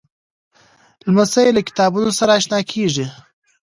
لمسی له کتابتون سره اشنا کېږي.